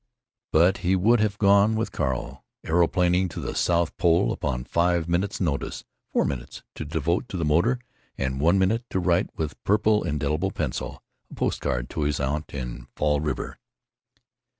But he would have gone with Carl aeroplaning to the South Pole upon five minutes' notice—four minutes to devote to the motor, and one minute to write, with purple indelible pencil, a post card to his aunt in Fall River.